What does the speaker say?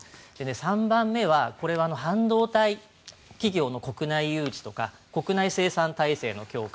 ３番目はこれは半導体企業の国内誘致とか国内生産体制の強化。